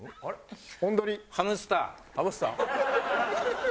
ハムスター！